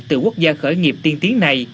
từ quốc gia khởi nghiệp tiên tiến